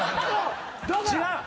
違う！